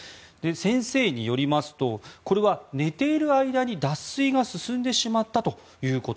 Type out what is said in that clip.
先生によりますとこれは寝ている間に脱水が進んでしまったということ。